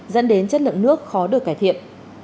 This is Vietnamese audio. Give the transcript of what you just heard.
dẫn đến chất lượng nước khó được cải thiện